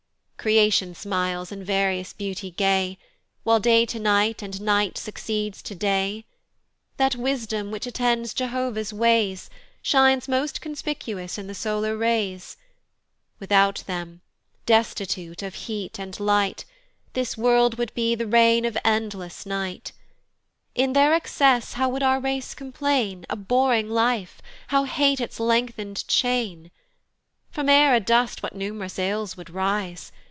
Creation smiles in various beauty gay, While day to night, and night succeeds to day: That Wisdom, which attends Jehovah's ways, Shines most conspicuous in the solar rays: Without them, destitute of heat and light, This world would be the reign of endless night: In their excess how would our race complain, Abhorring life! how hate its length'ned chain! From air adust what num'rous ills would rise?